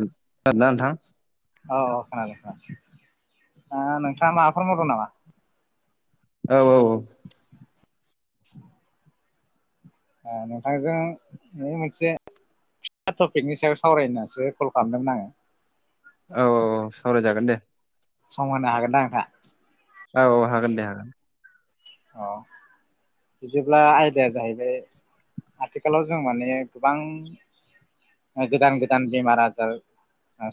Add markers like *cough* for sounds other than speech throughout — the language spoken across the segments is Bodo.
खोनादोंना नोंथां औ खोनादों नोंथां ओ नोंथांङा माबाफोर मावदों नामा औ औ औ ओ नोंथांजों बे मोनसे टपिकनि सायाव सावरायनो होननानैसो कल खालामदोंमोन आङो औ औ औ सावराय जागोन दे सम होनो हागोनदा नोंथांङा औ औ हागोन दे हागोन औ बिदिब्ला आयदाया जाहैबाय आथिखालाव जों माने गोबां गोदान गोदान बेमार आजार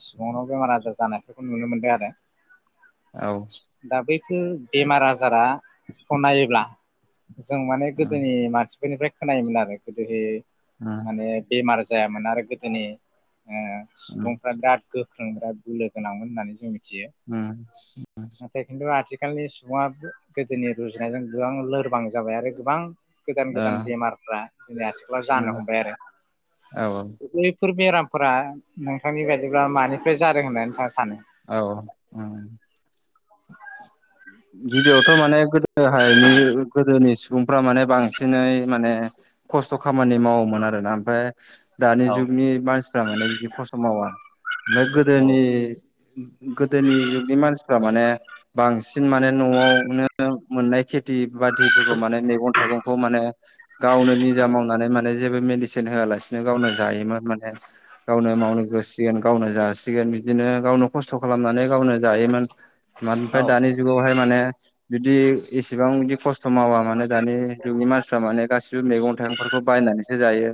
सुबुंनाव बेमार आजार जानायफोरखौ नुनो मोनदों आरो औ दा बेमार आजारा खौ नायोब्ला जों माने उम गोदोनि मानसि। बेफोरनिफ्राय खोनायोमोन आरो गोदोहाय उम माने बेमार जायामोन आरो गोदोनि ओ उम सुबुंफ्रा दाद गोख्रों बिराद बोलो गोनांमोन होननानै जों थियो उम नाथाय किन्थु आथि खालनि सुबुङा गोदोनि रुजुनायजों गोबां लोरबां जाबाय आरो गोबां गोदान ओ गोदान बेमारफ्रा जोंनि आथिखालाव जानो उम हमबाय आरो औ *inaudible* फोर बेरामफोरा नोंथांनि बायदिब्ला मानिफ्राय जादों होननानै थां औ उम। गिबियावथ' माने गोदोहायनि गोदोनि सुबुंफ्रा माने बांसिनै माने खस्थ' खामानि मावोमोन आरोना ओमफ्राय दानि औ जुगनि मानसिफ्रा माने बिदि खस्थ' मावा ओमफाय औ गोदोनि गोदोनि जुगनि मानसिफ्रा माने बांसिन माने न'आवनो मोननाय खे थि बाथिफोरखौ माने मेगं थाइगंखौ माने गावनो निजा मावनानै माने जेबो मेदिसिन होआ लासिनो गावनो जायोमोन माने गावनो मावनो गोस *unintelligible* गावनो जासिगोन बिदिनो गावनो खस्थ' खालामनानै गावनो जायोमोन। मोन फाय औ दानि जुगावहाय माने बिदि एसेबां बिदि खस्थ समावा माने दानि जुगनि मानसिफ्रा माने गासिबो मेगं थाइगंफोरखौ बायनानैसो जायो।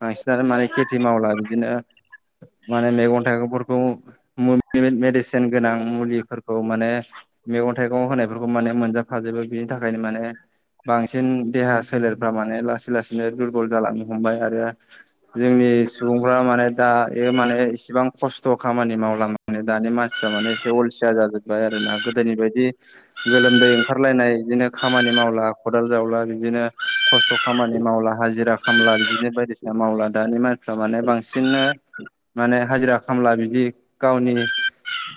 बांसिनानो माने केथि मावला बिदिनो माने मैगं थाइगंफोरखौ मो *unintelligible* मेडिसेन गोनां मुलिफोरखौ माने मेगं थाइगंआव होनायफोरखौ माने मोनजाफाजोबो बे थाखायनो माने बांसिन देहा सोलेरफ्रा माने लासै लासैनो दुरबल जालांनो हमबाय आरो जोंनि सुबुंफ्रा माने दा दायो माने इसेबां खस्थ' खामानि मावला माने दानि मानसिफ्रा माने एसे अलसिया जाजोबबाय आरोना गोदोनि बायदि गोलोमदै ओंखारलायनाय इदिनो खामानि मावला खदाल जावला बिदिनो खस्थ' खामानि मावला हाजिरा खामला बिदिनो बायदिसिना मावला दानि मान फ्रा माने बांसिननो माने हाजिरा खामला बिदि गावनि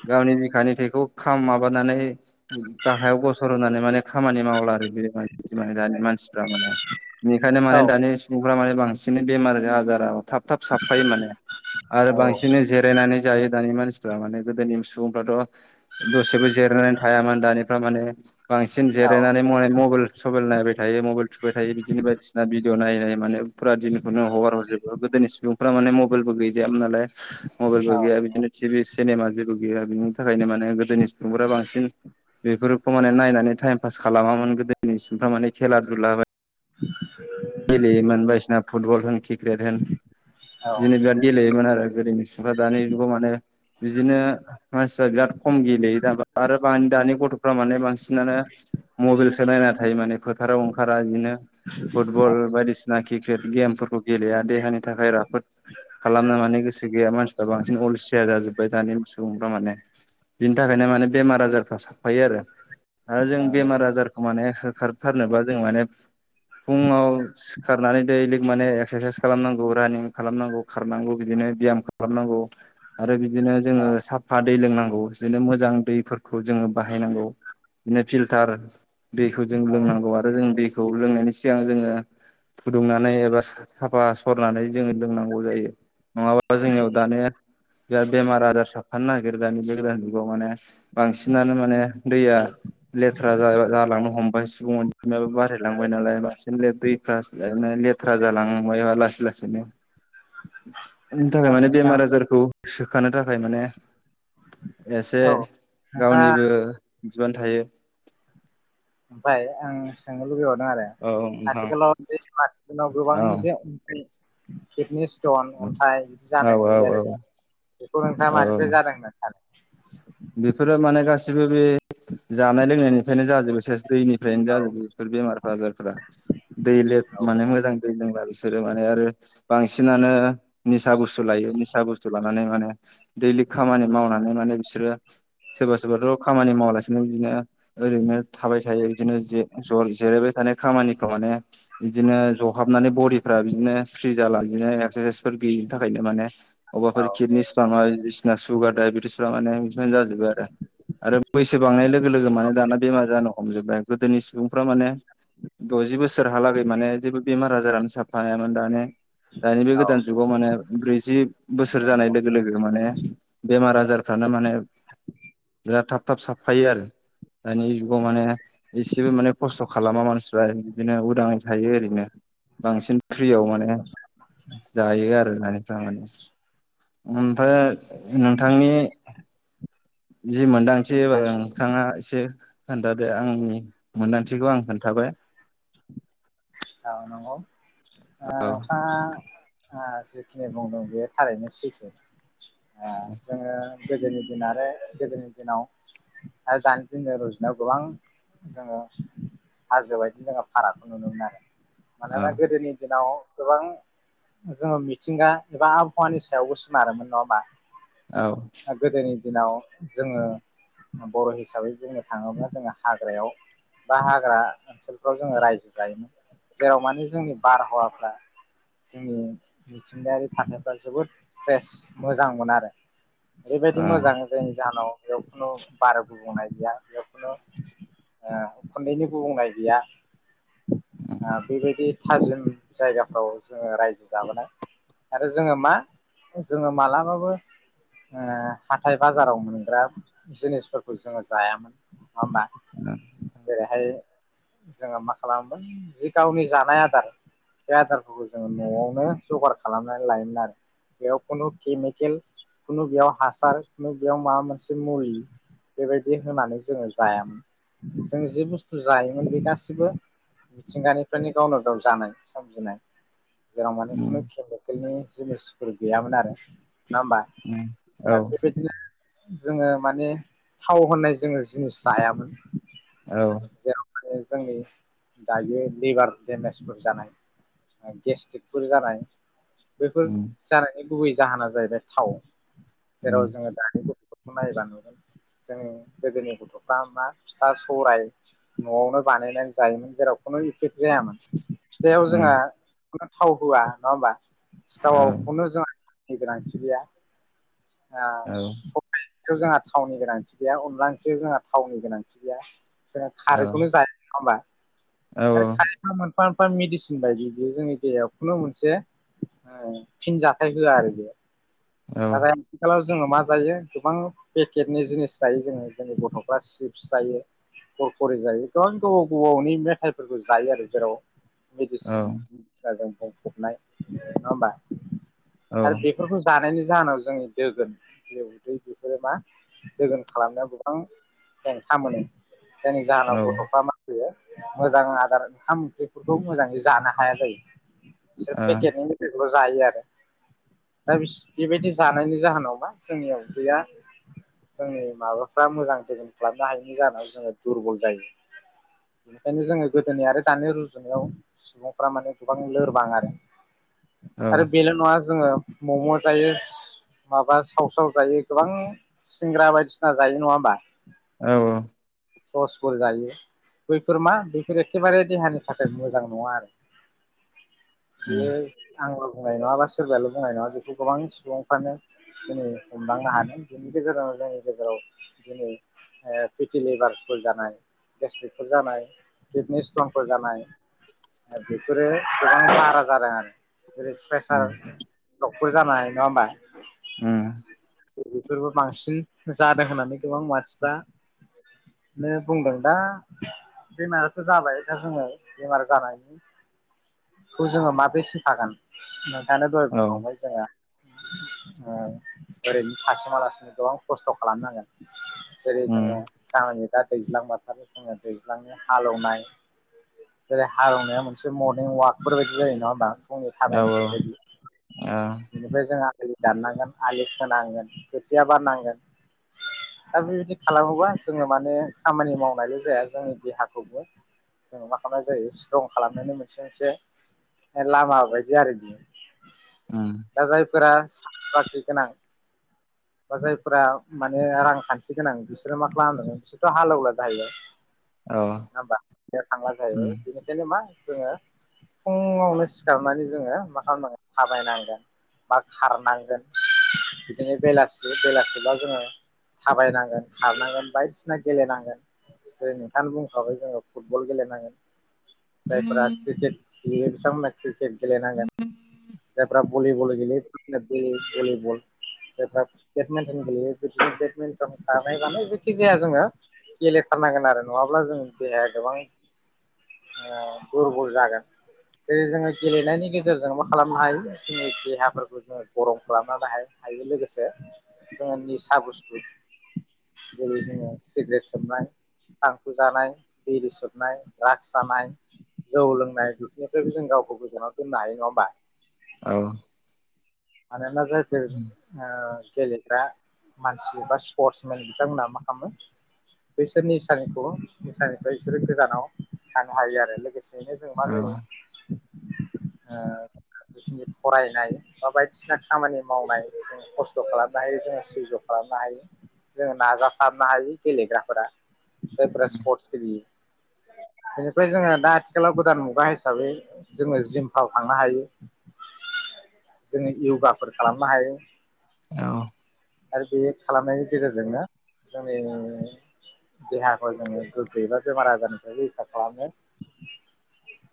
गावनि बिखानि थैखौ खाम माबानानै गाहायाव गसर होनानै माने खामानि मावला *unintelligible* दानि मानसिफ्रा माने निखायनो औ माने दानि सुबुं फोरा माने बांसिनै बेमार आजाराव थाब थाब साबफायो माने आरो बांसिनै जिरायनानै जायो दानि मानसिफ्रा माने गोदोनि सुबुंफ्राथ' दसेबो जिरनानै थायामोन दानिफ्रा माने बांसिन जिरायनानै मय मबाइल सबाइल नायबाय थायो मबाइल थुबाय थायो बिदिनो बायदिसिना बि दिअ' नायै नायै माने फुरा दिनखौनो हगार हरजोबो गोदोनि सुबुंफोरा माने मबाइलबो गैजायामोन नालाय मबाइलबो औ गैया बिदिनो टिभि सिनेमा जेबो गैया बिनि थाखायनो माने गोदोनि सुबुंफोरा बांसिन बेफोरखौ माने नायनानै टाइम पास खालामामोन गोदोनि सुबुंफ्रा माने खेला धुला *inaudible* गेलेयोमोन बायदिसिना फुटबल होन किक्रेट होन औ बिदिनो बिराद गेलेयोमोन आरो गोदोनि सुब *unintelligible* दानि जुगाव माने बिदिनो मानसिफ्रा बिराद खम गेलेयो दाबो आरो *unintelligible* दानि गथ'फ्रा माने बांसिनानो मबाइलसो नायना थायो माने फोथाराव ओंखारा दिनो फुट बल बायदिसिना क्रिकेट गेमफोरखौ गेलेया। देहानि थाखाय राफोद खालामना लानो गोसो गैया मानसिफ्रा बांसिन अलसिया जाजोब बाय दानि सुबुंफ्रा माने बिनि थाखायनो माने बेमार आजारफ्रा साफ्फायो आरो। आरो जों औ बेमार नंगौ आजारखौ माने होखारथारनोबा जों माने फुङाव सिखारनानै दै लोंनानै एक्सारसाइस खालामनांगौ रानिं खालामनांगौ। खारनांगौ बिदिनो बियाम खालामनांगौ आरो बिदिनो औ जोङो साफा दै लोंनांगौ बिदिनो मोजां दैफोरखौ जोङो बाहायनांगौ दिनो फिल्टार दैखौ जों औ लोंनांगौ आरो जों दैखौ लोंनायनि सि गां जोङो फुदुंनानै एबा सा-साफा सरनानै जोङो लोंनांगौ जायो। नङाबा जोंनियाव दानिया दा बेमार आजार साफ्फानो नागिरो दानि जे जुगाव माने बांसिनानो माने दैया लेथ्रा जा जालांनो हमबाय सुबुं अनजिमायाबो बारायलांबाय नालाय *unintelligible* दैफ्रासो लेथ्रा जालांनो हबाय लासै लासैनो उननि थाखाय माने नोंथां बेमार आजारखौ सोखानो थाखाय माने एसे औ नोंथाङा गावनिबो बिबान थायो। ओमफ्राय आं सोंनो लुबै बावद *unintelligible* आरो औ नोंथां आथिखालाव बे *unintelligible* गोबां औ जे किदनेस जन अन्थाइ बिदि जानाय औ औ नुयो औ आरो जों बेखौ नोंथाङा औ मानिफ्राय जादों होनना सानो? बेफोरो माने गासिबो बे जानाय लोंनायनिफ्रायनो जाजोबो सेस दैनिफ्रायनो सानो जाजोबो बेफोर बेमार आजारफोरा दै ले माने मोजां दै लोंला बिसोरो माने आरो बांसिनानो निसा बुस्थु लायो निसा बुस्थु लानानै माने दैलि खामानि मावनानै माने बिसोरो सोरबा सोरबाथ' खामानि मावालासिनो बिदिनो ओरैनो थाबाय थायो बिदिनो जे जयै जिरायबाय थानाय खामानिखौ माने बिदिनो जहाबनानै बदिफ्रा बिदिनो फ्रि जाला बिदिनो रेसफोर गैयिनि थाखायनो माने औ अबाफोर किदनि स्टनआरि बायदिसिना सुगार दायबेतिस फोरा माने बेजों जाजोबो आरो बैसो बांनाय लोगो लोगो माने दाना बेमार जानो हमजोबबाय गोदोनि सुबुंफ्रा माने द'जि बोसोरहालागै माने जेबो बेमार आजारानो साफफायामोन दानि दानि बे गोदान जुगाव माने ब्रैजि बोसोर औ जानाय नंगौ नंगौ लोगो लोगो माने बेमार आजार फ्रानो माने बिराद थाब थाब साफायो आरो। दानि जुगाव माने एसेबो माने खस्थ' खालामा मानसिफ्रा बिदिनो उदाङै थायो ओरैनो बांसिन फ्रियाव माने जायो आरो *unintelligible* जानाय ओमफ्राय नोंथांनि जि मोनदांथि थि नोंथाङा एसे खोन्थादो आंनि मोन्दांथिखौ आं खोन्थाबाय। औ नंगौ ओ औ नोंथाङा आ जिखिनि बुंदों बेयो थारैनो सैथो ओ जोङो गोदोनि दिन आरो गोदोनि दिनाव आरो दानि दिनजों रुजुनायाव गोबां जोङो हाजो बायदि जोङो फारागखौ नुनो मोनो आरो मानोना गोदोनि दिनाव गोबां जोङो मिथिंगा एबा आबहावानि सायावबो सोनारोमोन नङा होनबा? औ। दिनाव जोङो बर' हिसाबै बुंनो थाङोब्ला जोङो हाग्रायाव बा हाग्रा ओनसोलफ्राव जोङो रायजो जायोमोन जेराव माने जोंनि बारहावाफ्रा जोंनि मिथिंगायारि थाथायफ्रा जोबोद फ्रेस मोजांमोन आरो। औ ओ ओरैबायदि मोजां जों जान' बेयाव खुनु बार गुबुंनाय गैया बेयाव खुनु ओ उखुनन्दैनि गुबुंनाय गैया ओ बेबायदि थाजिम जायगाफ्राव जोङो रायजो जाबोनाय। आरो जोङो मा जोङो मालाबाबो ओ हाथाय बाजाराव मोनग्रा जिनिसफोरखौ जोङो जायामोन नङा होमबा? औ बेहाय जोङो मा खालामोमोन जि गावनि जानाय आदार बे आदारफोरखौ जोङो न'आवनो जगार खालामनानै लायोमोन आरो। बेयाव खुनु केमिकेल कुनु बेयाव हासार खुनु बेयाव मा मोनसे मुलि बेबायदि होनानै जोङो जायामोन जों जि बुस्थु जायोमोन बे गासिबो मिथिंगानिफ्रायनो गावनो गाव जानाय सोमजिनाय जेराव माने उम खुनु केमिकेलनि जिनिसफोर गैयामोन आरो नङा होमबा औ दा बेबायदिनो जोङो माने थाव होननाय जोङो जिनिस जायामोन। औ। जेराव माने जोंनि दायो लिभार देमेजफोर जानाय गेस्ट्रिकफोर जानाय बेफोर उम जानायनि गुबै जाहोना जाहैबाय थाव उम जेराव जोङो दानि गथ' फोरखौ नायबा नुगोन। जों गोदोनि गथ'फ्रा मा फिथा सराय न'आवनो बानायनानै जायोमोन। जेराव खुनु इफेक्ट जायामोन फिथाइाव उम जोंहा थाव होआ नङा होमबा। औ सिथावावखौनो जोंहानि गोनांथि गैया। आं औ सबाइ ओंख्रियाव जोंहा थावनि गोनांथि गैया अनला ओंख्रियाव जोंहा थावनि गोनांथि गैया। जोंहा खारैखौनो जायोमोन नङा होनबा औ आरो खारै फार्म फार्म मेडिसिन बायदि बियो जोंनि देहायाव खुनु मोनसे ओ फिन जाथाय होआ आरो बे औ नाथाय आथिखालाव जोङो मा जायो गोबां पेकेटनि जिनिस जायो जोङो जोंनि गथ'फ्रा चिप्स जायो। खर खरि जायो गोबां गोबाव गोबावनि मेथाइफोरखौ जायो आरो जेराव औ मेडिसिनजों बुंफबनाय नङा होमबा औ आरो बेफोरखौ जानायनि जाहोनाव जोंनि दोगोन जि उदै बेफोरो मा दोगोन खालामनायाव गोबां हेंथा मोनो जायनि जाहोनाव ओ गथ'फ्रा मा होनो मोजां आदार ओंखाम ओंख्रिफोरखौ मोजाङै जानो हाया जायो बिसोर पेकेटनि मेथायखौल जायो आरो दा बिस बेबायदि जानायनि जाहोनावबा जोंनियाव उदैया जोंनि माबाफ्रा मोजां दोगोन खालामनो हायिनि जाहोनाव जोङो दुरबल जायो। बेनिखायनो जोङो गोदोनि आरो दानि रुजुनायाव सुबुंफ्रा माने गोबां लोरबां आरो औ आरो बेल' नङा जोङो मम' जायो माबा सावस्राव जायो गोबां सिंग्रा बायदिसिना जायो नङा होमबा? औ औ सर्सफोर जायो बैफोर मा बैफोर एखेबारे देहानि थाखाय मोजां नङा आरो बेयो उम आंल' बुंनाय नङा बा सोरबायाल' बुंनाय नङा बे गोबां सुबुंफ्रानो दिनै हमदांनो हादों बेनि गेजेराव जोंनि गेजेराव दिनै ओ फिथिलिबारस फोर जानाय गेसट्रिकफोर जानाय किदनि स्टनफोर जानाय बेफोरो गोबां बारा जादों आरो जेरै प्रेसार उम ब्लकफोर जानाय नङा होमबा उम बेफोरबो बांसिन जादों होननानै गोबां मानसिफ्रा नो बुंदों दा बेमाराथ' जाबाय दा जोङो बेमार जानायनि खौ जोङो माबोरै सोखागोन नोंथाङानो दहाय औ बुंखांबाय जोंहा *inaudible* ओ ओरैनो थासोमालासिनो गोबां खस्थ' खालामनांगोन। जेरै जोङो उम गामिनि दा दैजलां बोथोरनि जोङो दैजलांनि हालौवनाय। जेरै हालेवनाया मोनसे मरनिं अवाकफोर बायदि जायो नङा होनबा? फुंनि औ ओ थाबायनायफोरबायदि। उम ओमफ्राय जों आलि दाननांगोन आलि खोनांगोन खोथिया बाननांगोन। *inaudible* दा बेबायदि खालामोबा जोङो माने खामानि मावनायल' जाया जोंनि देहाखौबो जोङो मा खालामनाय जायो स्ट्रं खालामनायनि मोनसे मोनसे लामाबायदि आरो बियो दा जायफोरा साख्रि बाख्रि गोनां बा जायफोरा माने रांखानथि गोनां बिसोरो मा खालामो बिसोरथ' हालेवला जाहैबाय। औ नङा होनबा बे थांला जाहैबाय उम बेनिखायनो मा जोङो फुङावनो सिखारनानै जोङो मा खालामनांगोन थाबायनांगोन। बा खारनांगोन बिदिनो बेलासि बेलासिबा जोङो थाबायनांगोन खारनांगोन बायदिसिना गेलेनांगोन। जेरै नोंथाङानो बुंखाबाय जोङो फुटबल गेलेनांगोन। जायफ्रा क्रिकेट गेलेयो बिथांमोना क्रिकेट गेलेनांगोन जायफ्रा भलिबल गेलेयो होनदों गेले भलिबल जेबला बेदमेन्टन गेलेयो जुदि बेदमेन्टन थानाय बानाय जेखि जाया जोङो गेलेथारनांगोन आरो नङाब्ला जों देहाया गोबां औ दुरबल जागोन जेरै जोङो गेलेनायनि गेजेरजों मा खालामनो हायो। जोंनि देहाफोरखौ जोङो गरम खालामनानै हायो हायो लोगोसे जोङो निसा बुसथु जेरै जोङो सिग्रेट सोबनाय थांखु जानाय बिरि सोबनाय द्राग्स जानाय जौ लोंनाय बेफोरनिफ्रायबो जों गाव गावखौ गोजानाव दोननो हायो नङा होमबा? औ मानोना जायफोर ओ गेलेग्रा मानसि बा स्पर्टसमेन बिथांमोनहा मा खालामो? बिसोर निसानिखौ निसानिफ्राय बिसोरो गोजानाव थानो हायो आरो लोगोसे ओंखायनो जों मा औ जायो ओ जिखिनि फरायनाय बा बायदि सिना खामानि मावनाय जों खस्थ' खालामनो हायो जोङो सैज' खालामनो हायो। जोङो नाजासारनो हायो गेलेग्राफोरा जायफोरा स्पर्टस गेलेयो। *inaudible* बेनिफ्राय जोङो दा आथिखालाव गोदान मुगा हिसाबै जोङो जिमफ्राव थांनो हायो। *inaudible* जोङो युवगाफोर खालामनो हायो। औ आरो बे खालामनायनि गेजेरजोंनो जोंनि देहाखौ जोङो गोग्गो एबा बेमार आजारनिफ्राय रैखा खालामो।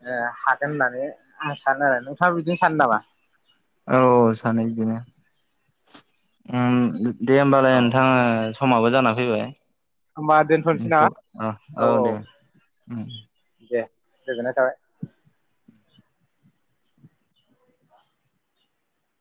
ए हागोन होननानै आं सानो आरो नोंथाङा बिदिनो सानो नामा? औ औ सानो बिदिनो दे होमबालाय औ नोंथाङा समाबो जाना फैबाय। होमबा दोनथ'नोसै ना औ औ उम दे गोजोननाय थाबाय।